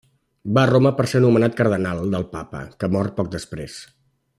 Va a Roma per ser nomenat cardenal pel papa que mor poc després.